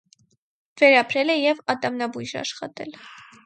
Վերապրել է և ատամնաբույժ աշխատել։